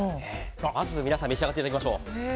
まず皆さん召し上がっていただきましょう。